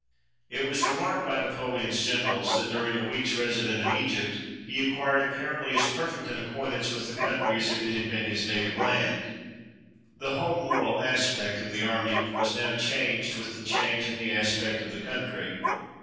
It was remarked by Napoleon's generals that, during a week's residence in Egypt, he acquired apparently as 219 EGYPT perfect an acquaintance with the country as if it had been his native land. The whole moral aspect of the army was now changed with the change in the aspect of the country.